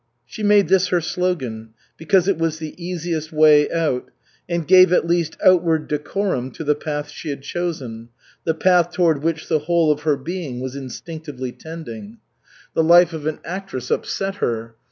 She made this her slogan, because it was the easiest way out, and gave at least outward decorum to the path she had chosen the path toward which the whole of her being was instinctively tending. The life of an actress upset her.